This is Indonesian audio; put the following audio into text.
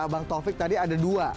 bang taufik tadi ada dua